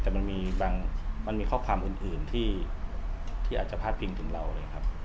แต่มันมีบางมันมีข้อความอื่นที่อาจจะพาดพิงถึงเราเลยครับ